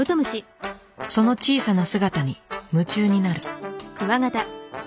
その小さな姿に夢中になる。